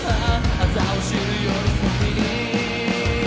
朝を知るより先に